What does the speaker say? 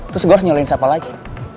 terus gue harus nyolongin siapa lagi